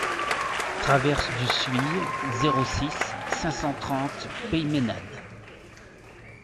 Traverse du Suye, zéro six, cinq cent trente Peymeinade